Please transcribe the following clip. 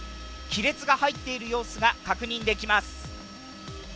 亀裂が入っている様子が確認できます。